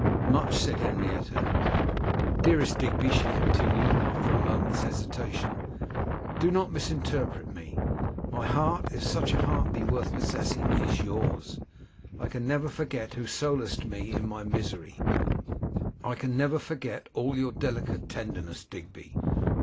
'Much,' said Henrietta. 'Dearest Digby,' she continued, after a moment's hesitation, 'do not misinterpret me; my heart, if such a heart be worth possessing, is yours. I can never forget who solaced me in my misery; I can never forget all your delicate tenderness, Digby.